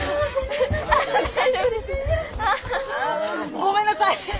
ごめんなさい！